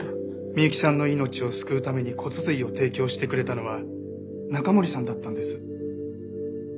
美幸さんの命を救うために骨髄を提供してくれたのは中森さんだったんです。